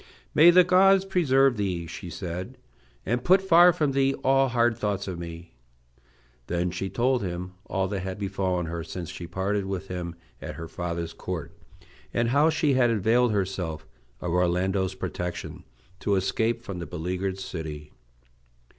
"May the gods preserve thee," she said, "and put far from thee all hard thoughts of me!" Then she told him all that had befallen her since she parted with him at her father's court, and how she had availed herself of Orlando's protection to escape from the beleaguered city.